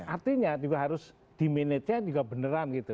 artinya juga harus diminatenya juga beneran gitu